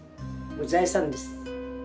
財産です。